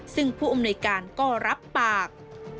ซึ่งผู้อำนวยการก็รับปาก